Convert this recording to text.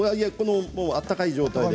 温かい状態で。